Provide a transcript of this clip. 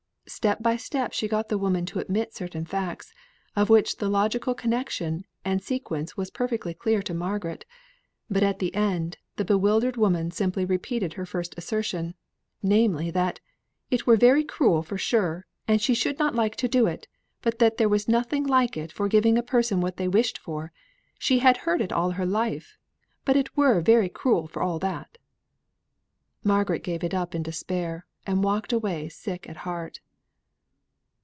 Step by step she got the woman to admit certain facts, of which the logical connexion and sequence was perfectly clear to Margaret; but at the end, the bewildered woman simply repeated her first assertion, namely, that "it were very cruel for sure, and she should not like to do it; but that there was nothing like it for giving a person what they wished for; she had heard it all her life; but it were very cruel for all that." Margaret gave it up in despair, and walked away sick at heart.